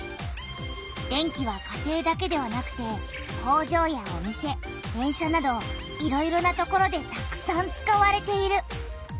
電気は家庭だけではなくて工場やお店電車などいろいろな所でたくさん使われている。